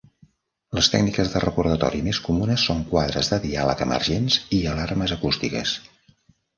Les tècniques de recordatori més comunes són quadres de diàleg emergents i alarmes acústiques.